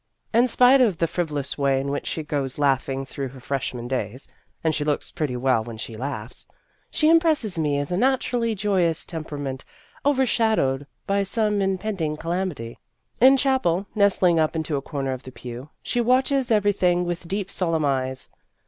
In spite of the frivolous way in which she goes laughing through her freshman days (and she looks pretty well when she laughs), she impresses me as a naturally joyous tem perament overshadowed by some impend ing calamity. In chapel, nestling up into a corner of the pew, she watches every thing with deep solemn eyes.